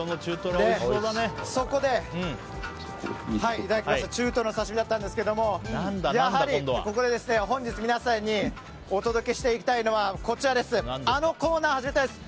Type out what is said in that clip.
いただきました中トロの刺し身だったんですがやはり、ここで本日皆さんにお届けしたいのはこちらあのコーナー始めたいです。